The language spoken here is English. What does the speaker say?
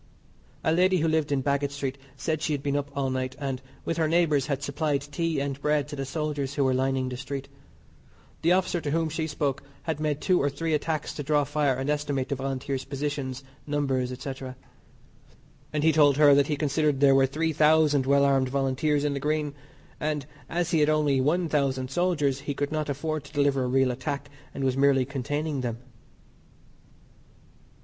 A lady who lived in Baggot Street said she had been up all night, and, with her neighbours, had supplied tea and bread to the soldiers who were lining the street. The officer to whom she spoke had made two or three attacks to draw fire and estimate the Volunteers' positions, numbers, &c., and he told her that he considered there were 3,000 well armed Volunteers in the Green, and as he had only 1,000 soldiers, he could not afford to deliver a real attack, and was merely containing them.